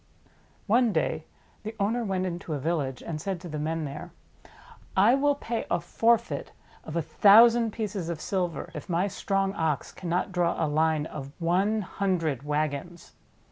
One day the owner went into a village, and said to the men there: "I will pay a forfeit of a thousand pieces of silver if my strong Ox cannot draw a line of one hundred wagons."